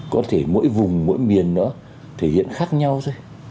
có thể mỗi vùng mỗi miền nó thể hiện khác nhau thôi